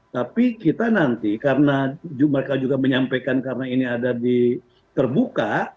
tapi kita nanti karena mereka juga menyampaikan karena ini ada di terbuka